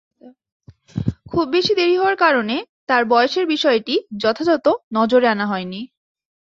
খুব বেশি দেরি হওয়ার কারণে তার বয়সের বিষয়টি যথাযথ নজরে আনা হয়নি।